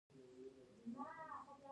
زده کړه د نجونو سیاسي شعور لوړوي.